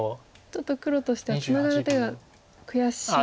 ちょっと黒としてはツナがる手が悔しい。